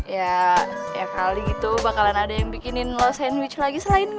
ya kali gitu bakalan ada yang bikinin lo sandwich lagi selain gue